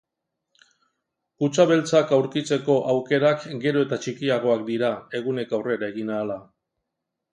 Kutxa beltzak aurkitzeko aukerak gero eta txikiagoak dira, egunek aurrera egin ahala.